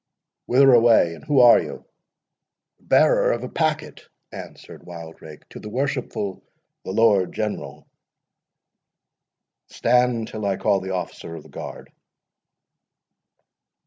"Whither away, and who are you?" "The bearer of a packet," answered Wildrake, "to the worshipful the Lord General." "Stand till I call the officer of the guard."